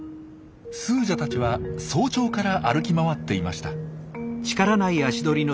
スージャたちは早朝から歩き回っていました。